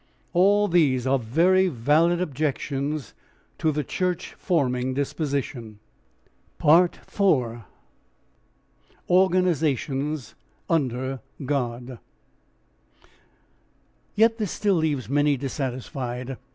All these are very valid objections to the church forming disposition. 4. ORGANISATIONS UNDER GOD Yet still this leaves many dissatisfied.